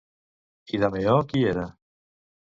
I Dameó qui era?